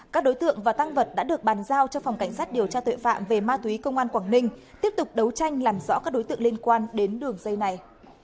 các đối tượng và tăng vật đã được bàn giao cho phòng cảnh sát điều khiển tiếp tục đấu tranh làm rõ các đối tượng liên quan đến đường dây này